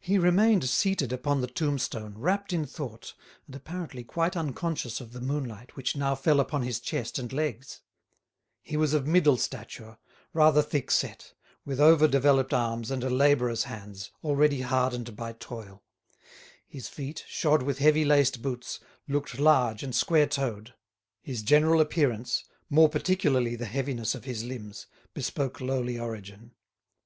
He remained seated upon the tombstone, wrapped in thought, and apparently quite unconscious of the moonlight which now fell upon his chest and legs. He was of middle stature, rather thick set, with over developed arms and a labourer's hands, already hardened by toil; his feet, shod with heavy laced boots, looked large and square toed. His general appearance, more particularly the heaviness of his limbs, bespoke lowly origin.